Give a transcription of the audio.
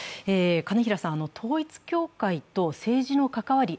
金平さん、統一教会と政治の関わり